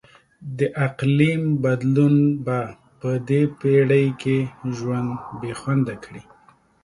د اقلیم بدلون به په دې پیړۍ کې ژوند بیخونده کړي.